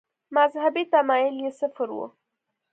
مذهبي تمایل یې صفر و.